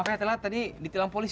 misalnya dia membalas